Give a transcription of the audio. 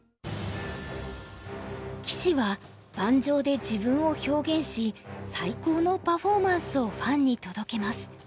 棋士は盤上で自分を表現し最高のパフォーマンスをファンに届けます。